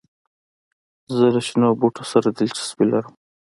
زه له شنو بوټو سره دلچسپي لرم.